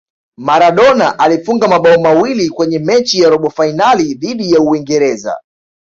maradona alifunga mabao mawili Kwenye mechi ya robo fainali dhidi ya uingereza